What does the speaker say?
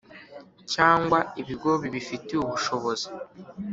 cyangwa ibigo bibifitiye ubushobozi